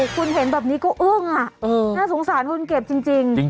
คุณเห็นแบบนี้ก็อึ้งน่าสงสารคนเก็บจริง